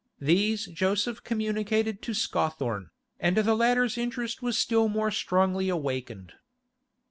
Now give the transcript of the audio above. These Joseph communicated to Scawthorne, and the latter's interest was still more strongly awakened.